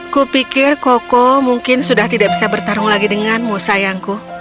kupikir koko mungkin sudah tidak bisa bertarung lagi denganmu sayangku